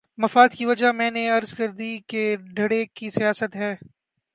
مفاد کی وجہ میں نے عرض کر دی کہ دھڑے کی سیاست ہے۔